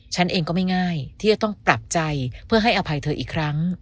ฉันเองก็ไม่ง่ายที่จะต้องปรับใจเพื่อให้อภัยเธออีกครั้ง